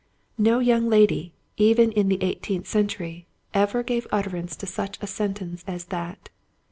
No young lady, even in the eighteenth century, ever gave utterance to such a sentence as that.